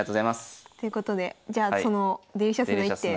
ということでじゃあそのデリシャスな一手。